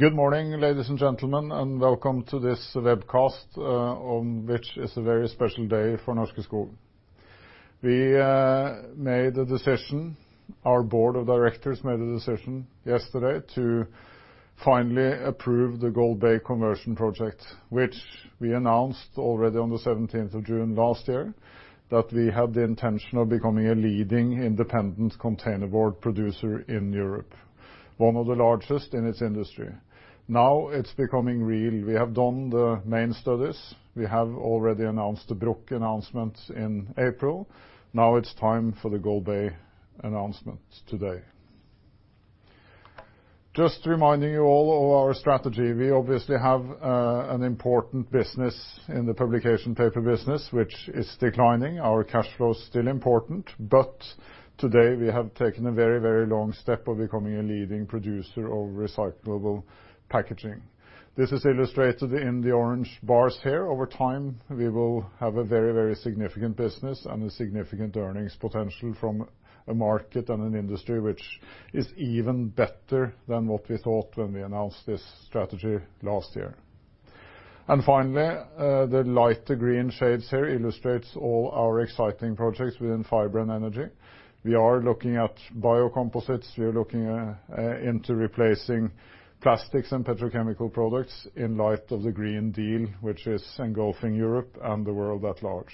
Good morning, ladies and gentlemen, and welcome to this webcast, which is a very special day for Norske Skog. We made a decision. Our board of directors made a decision yesterday to finally approve the Golbey conversion project, which we announced already on the 17th of June last year, that we had the intention of becoming a leading independent containerboard producer in Europe, one of the largest in its industry. Now it's becoming real. We have done the main studies. We have already announced the Bruck announcement in April. Now it's time for the Golbey announcement today. Just reminding you all of our strategy. We obviously have an important business in the publication paper business, which is declining. Our cash flow is still important, but today we have taken a very, very long step of becoming a leading producer of recyclable packaging. This is illustrated in the orange bars here. Over time, we will have a very, very significant business and a significant earnings potential from a market and an industry which is even better than what we thought when we announced this strategy last year. Finally, the lighter green shades here illustrates all our exciting projects within fiber and energy. We are looking at biocomposites. We are looking into replacing plastics and petrochemical products in light of the Green Deal, which is engulfing Europe and the world at large.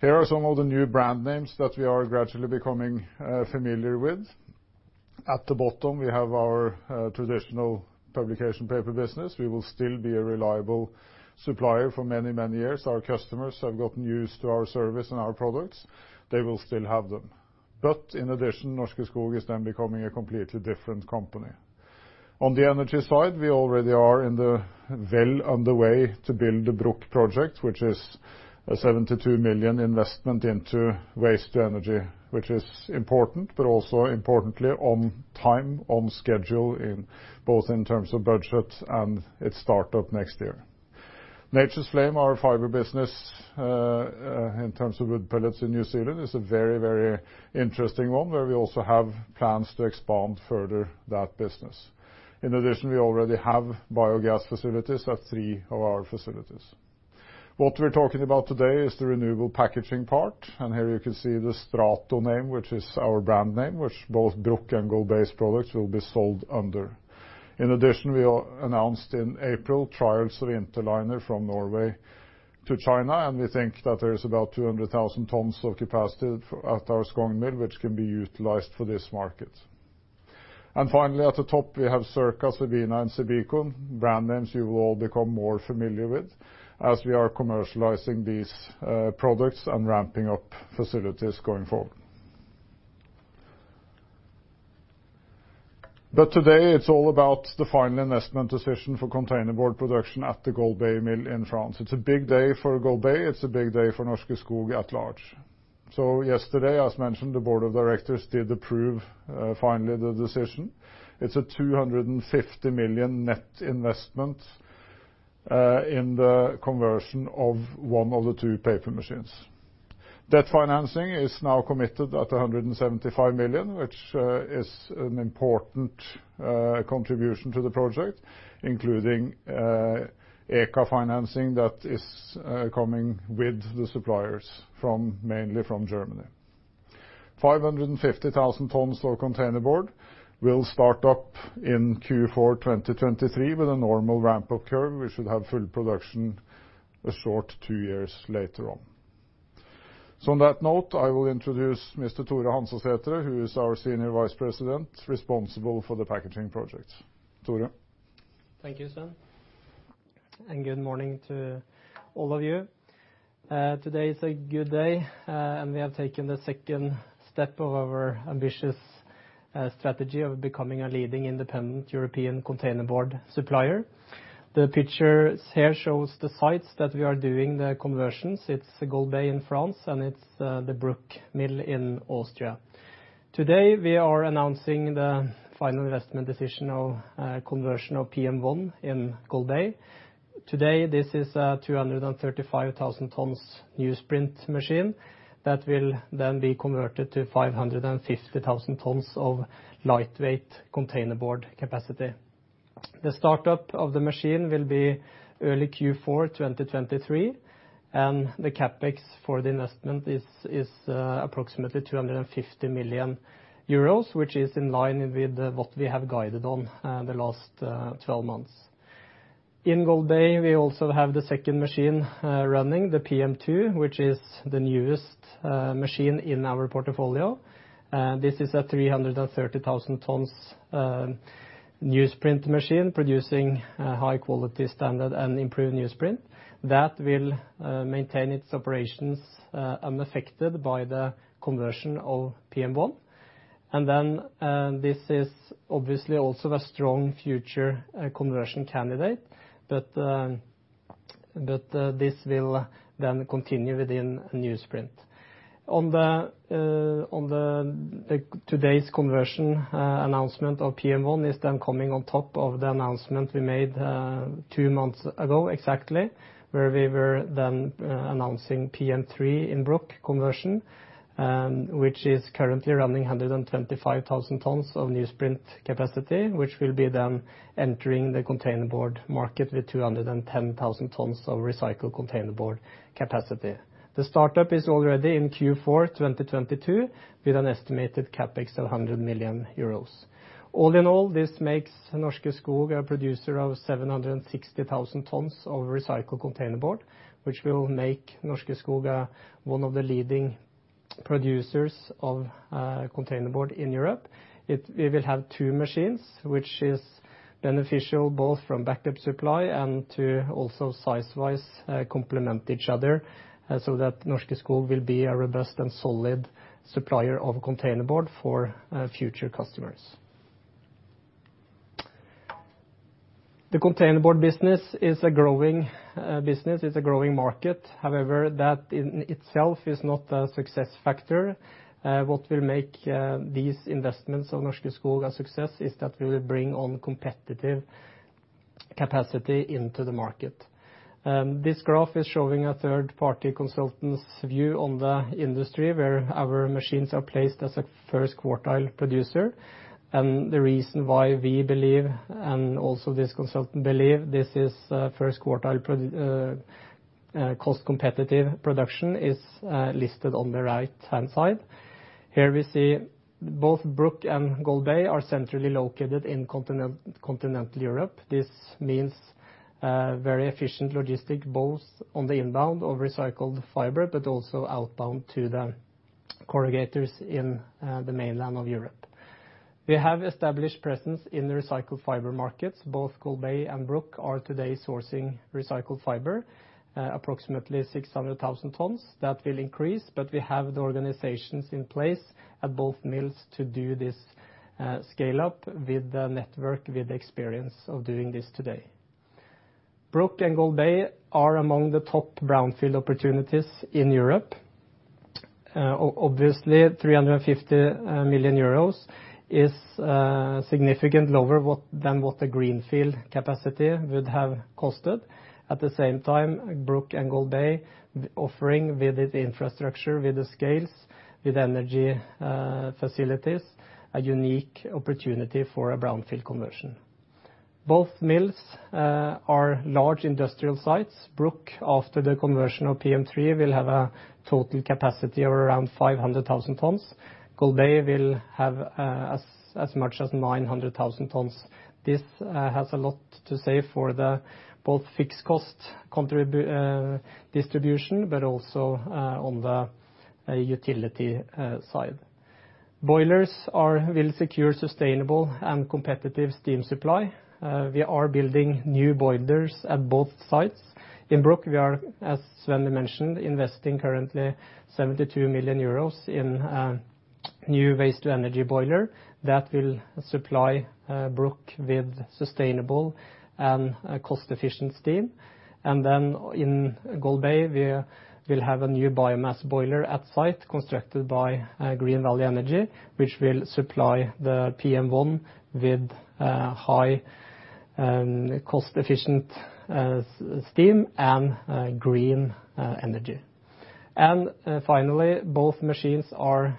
Here are some of the new brand names that we are gradually becoming familiar with. At the bottom, we have our traditional publication paper business. We will still be a reliable supplier for many, many years. Our customers have gotten used to our service and our products. They will still have them. But in addition, Norske Skog is then becoming a completely different company. On the energy side, we already are well underway to build the Bruck project, which is a 72 million investment into waste-to-energy, which is important, but also importantly on time, on schedule, both in terms of budget and its startup next year. Nature's Flame, our fiber business in terms of wood pellets in New Zealand, is a very, very interesting one where we also have plans to expand further that business. In addition, we already have biogas facilities at three of our facilities. What we're talking about today is the renewable packaging part. And here you can see the Strato name, which is our brand name, which both Bruck and Golbey's products will be sold under. In addition, we announced in April trials of Interliner from Norway to China, and we think that there is about 200,000 tons of capacity at our Skogn, which can be utilized for this market. And finally, at the top, we have Circa, CEBINA, and CEBICO, brand names you will all become more familiar with, as we are commercializing these products and ramping up facilities going forward. But today, it's all about the final investment decision for containerboard production at the Golbey mill in France. It's a big day for Golbey. It's a big day for Norske Skog at large. So yesterday, as mentioned, the board of directors did approve finally the decision. It's a 250 million net investment in the conversion of one of the two paper machines. Debt financing is now committed at 175 million, which is an important contribution to the project, including ECA financing that is coming with the suppliers, mainly from Germany. 550,000 tons of containerboard will start up in Q4 2023 with a normal ramp-up curve. We should have full production a short two years later on. So on that note, I will introduce Mr. Tore Hansesætre. He is our Senior Vice President responsible for the packaging project. Tore. Thank you, Sven.Good morning to all of you. Today is a good day, and we have taken the second step of our ambitious strategy of becoming a leading independent European containerboard supplier. The picture here shows the sites that we are doing the conversions. It's Golbey in France, and it's the Bruck mill in Austria. Today, we are announcing the final investment decision of conversion of PM1 in Golbey. Today, this is a 235,000 tons newsprint machine that will then be converted to 550,000 tons of lightweight containerboard capacity. The startup of the machine will be early Q4 2023, and the Capex for the investment is approximately 250 million euros, which is in line with what we have guided on the last 12 months. In Golbey, we also have the second machine running, the PM2, which is the newest machine in our portfolio. This is a 330,000 tons newsprint machine producing high-quality standard and improved newsprint that will maintain its operations unaffected by the conversion of PM1. And then this is obviously also a strong future conversion candidate, but this will then continue within a newsprint. On today's conversion announcement of PM1 is then coming on top of the announcement we made two months ago exactly, where we were then announcing PM3 in Bruck conversion, which is currently running 125,000 tons of newsprint capacity, which will be then entering the containerboard market with 210,000 tons of recycled containerboard capacity. The startup is already in Q4 2022 with an estimated Capex of 100 million euros. All in all, this makes Norske Skog a producer of 760,000 tons of recycled containerboard, which will make Norske Skog one of the leading producers of containerboard in Europe. We will have two machines, which is beneficial both from backup supply and to also size-wise complement each other so that Norske Skog will be a robust and solid supplier of containerboard for future customers. The containerboard business is a growing business. It's a growing market. However, that in itself is not a success factor. What will make these investments of Norske Skog a success is that we will bring on competitive capacity into the market. This graph is showing a third-party consultant's view on the industry where our machines are placed as a first quartile producer. And the reason why we believe, and also this consultant believe, this is first quartile cost competitive production is listed on the right-hand side. Here we see both Bruck and Golbey are centrally located in continental Europe. This means very efficient logistics both on the inbound of recycled fiber, but also outbound to the corrugators in the mainland of Europe. We have established presence in the recycled fiber markets. Both Golbey and Bruck are today sourcing recycled fiber, approximately 600,000 tons that will increase, but we have the organizations in place at both mills to do this scale-up with the network, with the experience of doing this today. Bruck and Golbey are among the top brownfield opportunities in Europe. Obviously, 350 million euros is significantly lower than what the greenfield capacity would have costed. At the same time, Bruck and Golbey, offering with its infrastructure, with the scales, with energy facilities, a unique opportunity for a brownfield conversion. Both mills are large industrial sites. Bruck, after the conversion of PM3, will have a total capacity of around 500,000 tons. Golbey will have as much as 900,000 tons. This has a lot to say for both fixed cost distribution, but also on the utility side. Boilers will secure sustainable and competitive steam supply. We are building new boilers at both sites. In Bruck, we are, as Sven mentioned, investing currently 72 million euros in a new waste-to-energy boiler that will supply Bruck with sustainable and cost-efficient steam. And then in Golbey, we will have a new biomass boiler at site constructed by Green Valley Energie, which will supply the PM1 with high cost-efficient steam and green energy. And finally, both machines are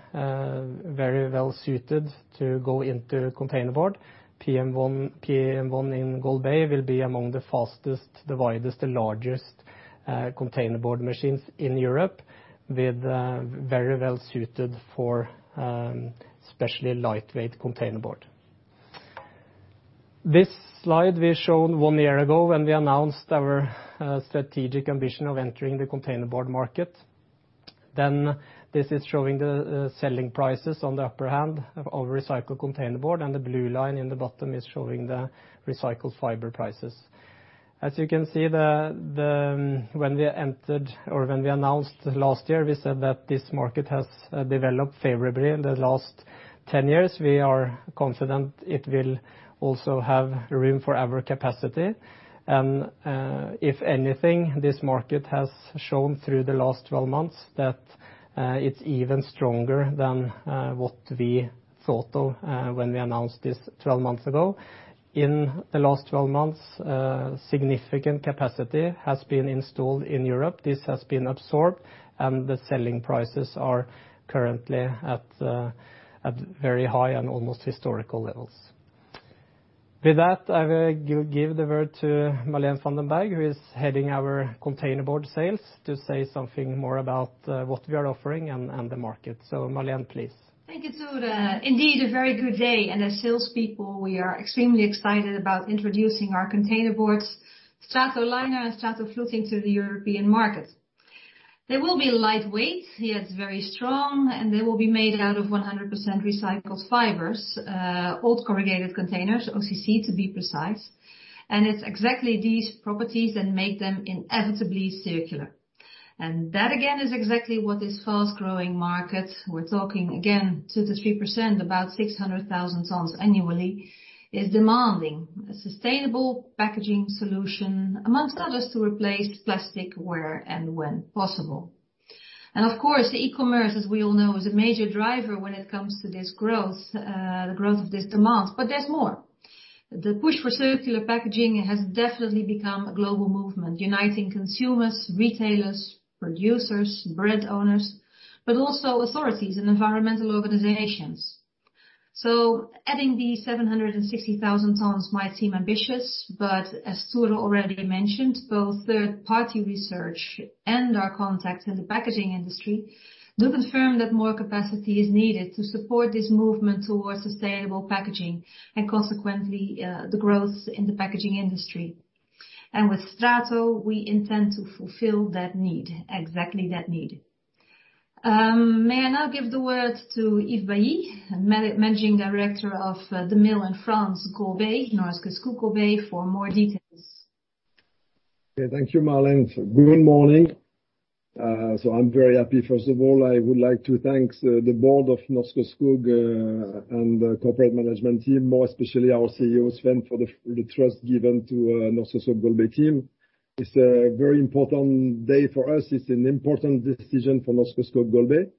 very well suited to go into containerboard. PM1 in Golbey will be among the fastest, the widest, the largest containerboard machines in Europe, with very well suited for especially lightweight containerboard. This slide we showed one year ago when we announced our strategic ambition of entering the containerboard market. Then this is showing the selling prices on the upper hand of recycled containerboard, and the blue line in the bottom is showing the recycled fiber prices. As you can see, when we entered or when we announced last year, we said that this market has developed favorably in the last 10 years. We are confident it will also have room for our capacity. And if anything, this market has shown through the last 12 months that it's even stronger than what we thought of when we announced this 12 months ago. In the last 12 months, significant capacity has been installed in Europe. This has been absorbed, and the selling prices are currently at very high and almost historical levels. With that, I will give the word to Marleen van den Berg, who is heading our containerboard sales, to say something more about what we are offering and the market. So Marleen, please. Thank you, Tore. Indeed, a very good day. As salespeople, we are extremely excited about introducing our containerboards, Strato Liner and Strato Fluting, to the European market. They will be lightweight, yet very strong, and they will be made out of 100% recycled fibers, old corrugated containers, OCC to be precise. It's exactly these properties that make them inevitably circular. That, again, is exactly what this fast-growing market, we're talking again 2%-3%, about 600,000 tons annually, is demanding a sustainable packaging solution among others to replace plastic where and when possible. Of course, e-commerce, as we all know, is a major driver when it comes to this growth, the growth of this demand. There's more. The push for circular packaging has definitely become a global movement, uniting consumers, retailers, producers, brand owners, but also authorities and environmental organizations. So adding these 760,000 tons might seem ambitious, but as Tore already mentioned, both third-party research and our contacts in the packaging industry do confirm that more capacity is needed to support this movement towards sustainable packaging and consequently the growth in the packaging industry. And with Strato, we intend to fulfill that need, exactly that need. May I now give the word to Yves Bailly, Managing Director of the mill in France, Golbey, Norske Skog Golbey, for more details. Thank you, Marleen. Good morning. So I'm very happy. First of all, I would like to thank the board of Norske Skog and the corporate management team, more especially our CEO, Sven, for the trust given to the Norske Skog Golbey team. It's a very important day for us. It's an important decision for Norske Skog Golbey.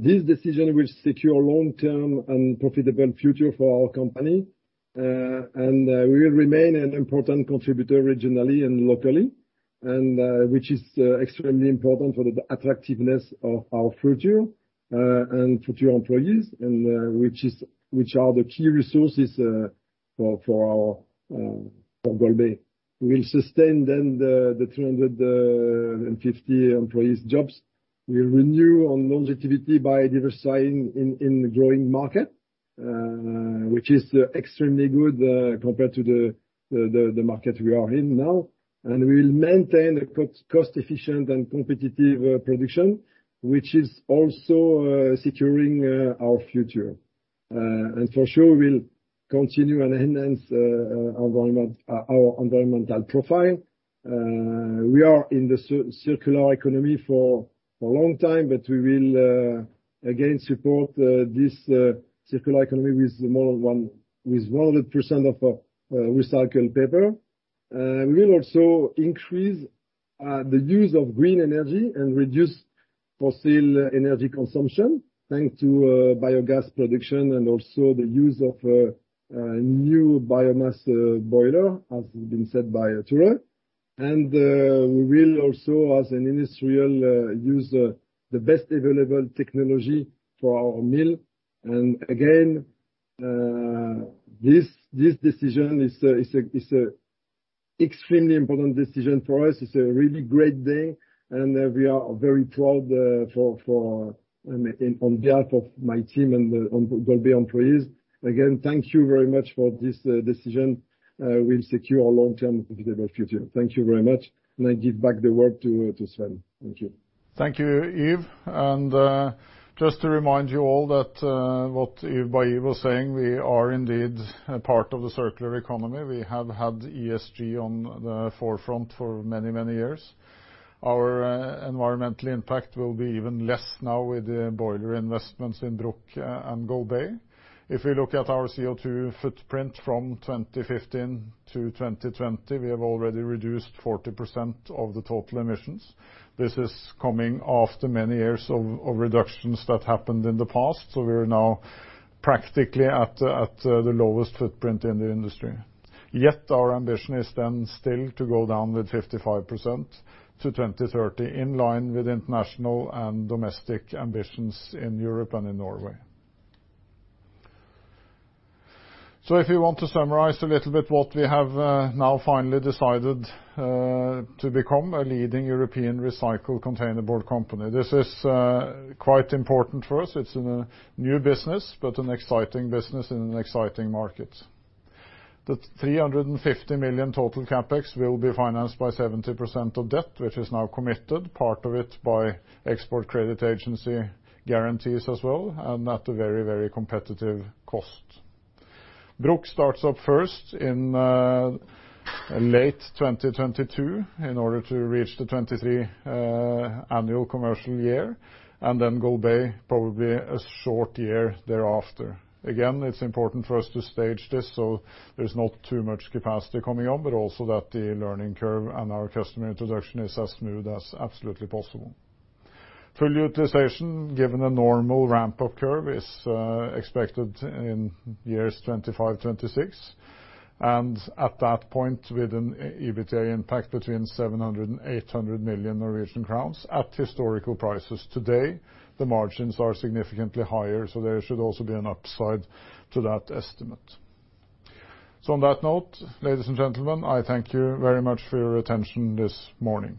This decision will secure a long-term and profitable future for our company. And we will remain an important contributor regionally and locally, which is extremely important for the attractiveness of our future and future employees, which are the key resources for Golbey. We will sustain then the 350 employees' jobs. We will renew on longevity by diversifying in the growing market, which is extremely good compared to the market we are in now. And we will maintain a cost-efficient and competitive production, which is also securing our future. For sure, we will continue and enhance our environmental profile. We are in the circular economy for a long time, but we will again support this circular economy with more than 100% of recycled paper. We will also increase the use of green energy and reduce fossil energy consumption thanks to biogas production and also the use of a new biomass boiler, as has been said by Tore. And we will also, as an industrial, use the best available technology for our mill. And again, this decision is an extremely important decision for us. It's a really great day. And we are very proud on behalf of my team and Golbey employees. Again, thank you very much for this decision. We will secure a long-term and profitable future. Thank you very much. And I give back the word to Sven. Thank you. Thank you, Yves. Just to remind you all that what Yves Bailly was saying, we are indeed a part of the circular economy. We have had ESG on the forefront for many, many years. Our environmental impact will be even less now with the boiler investments in Bruck and Golbey. If we look at our CO2 footprint from 2015 to 2020, we have already reduced 40% of the total emissions. This is coming after many years of reductions that happened in the past. So we are now practically at the lowest footprint in the industry. Yet our ambition is then still to go down with 55% to 2030, in line with international and domestic ambitions in Europe and in Norway. So if you want to summarize a little bit what we have now finally decided to become a leading European recycled containerboard company. This is quite important for us. It's a new business, but an exciting business in an exciting market. The 350 million total Capex will be financed by 70% of debt, which is now committed, part of it by Export Credit Agency guarantees as well, and at a very, very competitive cost. Bruck starts up first in late 2022 in order to reach the 2023 annual commercial year, and then Golbey probably a short year thereafter. Again, it's important for us to stage this so there's not too much capacity coming on, but also that the learning curve and our customer introduction is as smooth as absolutely possible. Full utilization, given a normal ramp-up curve, is expected in years 2025-2026. And at that point, with an EBITDA impact between 700 million-800 million Norwegian crowns at historical prices today, the margins are significantly higher. So there should also be an upside to that estimate. So on that note, ladies and gentlemen, I thank you very much for your attention this morning.